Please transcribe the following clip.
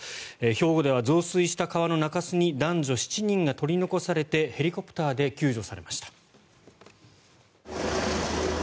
兵庫では増水した川の中州に男女７人が取り残されてヘリコプターで救助されました。